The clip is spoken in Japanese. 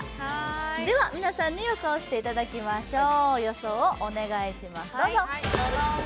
では皆さんに予想していただきましょう。